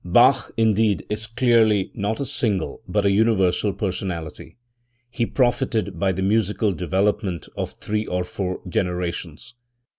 Bach, indeed, is clearly not a single but a universal personality. He profited by the musical development of three or four generations.